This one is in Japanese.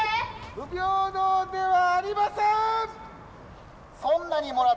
不平等ではありません！